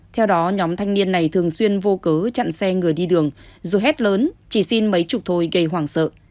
theo đó nhóm thanh niên này thường xuyên vô cớ chặn xe người đi đường dù hết lớn chỉ xin mấy chục thôi gây hoảng sợ